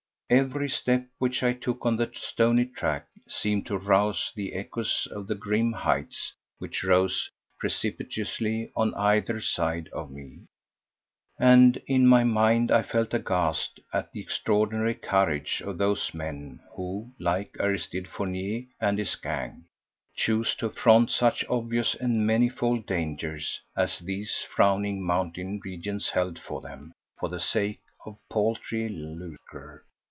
Every step which I took on the stony track seemed to rouse the echoes of the grim heights which rose precipitously on either side of me, and in my mind I felt aghast at the extraordinary courage of those men who—like Aristide Fournier and his gang—chose to affront such obvious and manifold dangers as these frowning mountain regions held for them for the sake of paltry lucre.